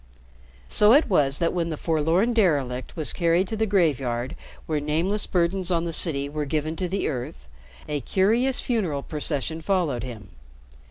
So it was that when the forlorn derelict was carried to the graveyard where nameless burdens on the city were given to the earth, a curious funeral procession followed him.